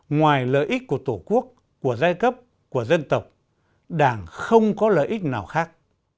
ngoài lợi ích của tổ quốc của giai cấp của dân tộc đảng không có lợi ích nào khác